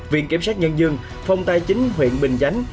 viện kiểm sát nhân dân phòng tài chính huyện bình chánh